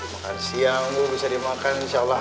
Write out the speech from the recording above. makan siang bu bisa dimakan insya allah